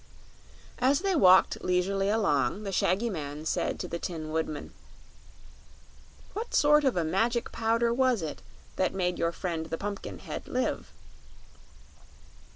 As they walked leisurely along the shaggy man said to the Tin Woodman: "What sort of a Magic Powder was it that made your friend the Pumpkinhead live?"